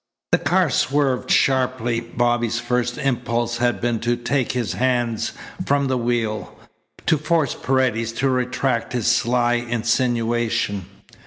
The car swerved sharply. Bobby's first impulse had been to take his hands from the wheel, to force Paredes to retract his sly insinuation.